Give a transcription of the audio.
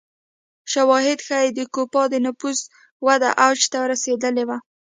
شواهد ښيي د کوپان د نفوس وده اوج ته رسېدلې وه